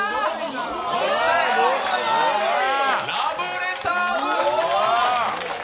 そして、ラブレターズ！